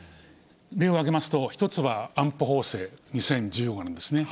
例を挙げますと、一つは安保法制２０１５年ですね。